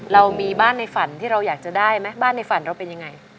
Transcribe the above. เรามีบ้านในฝันที่เราอยากจะได้ไหมบ้านในฝันเราเป็นยังไง